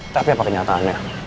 tapi apa kenyataannya